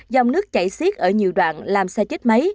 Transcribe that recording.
dòng nước chảy xiết ở nhiều đoạn làm xe chết máy